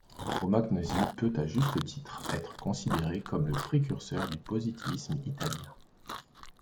Romagnosi peut à juste titre être considéré comme le précurseur du positivisme italien.